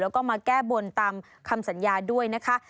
แล้วก็มาแก้บนตามคำสัญญาด้วยนะคะ